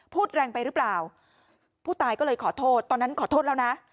พูดแรงไปหรือเปล่าผู้ตายก็เลยขอโทษตอนนั้นขอโทษแล้วนะ